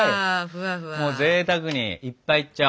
もうぜいたくにいっぱいいっちゃおう。